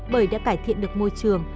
bởi đã cải thiện được môi trường